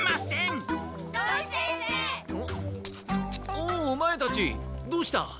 おおオマエたちどうした？